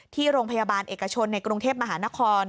ที่โรงพยาบาลเอกชนในกรุงเทพมหานคร